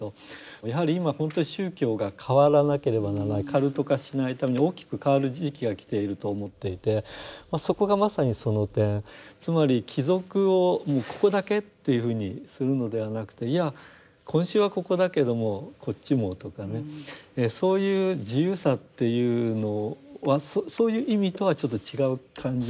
カルト化しないために大きく変わる時期が来ていると思っていてそこがまさにその点つまり帰属をもうここだけというふうにするのではなくていや今週はここだけどもこっちもとかねそういう自由さっていうのはそういう意味とはちょっと違う感じでしょうか。